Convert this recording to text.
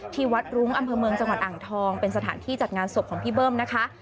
ที่วัดรุ้งอำเภอเมืองจังหวัดอ่างทองเป็นสถานที่จัดงานศพของพี่เบิ้มนะคะ